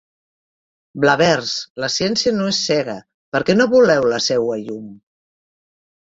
Blavers, la ciència no és cega; per què no voleu la seua llum?